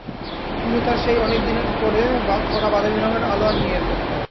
কুমু তার সেই অনেক দিনের পরা বাদামি রঙের আলোয়ান নিয়ে এল।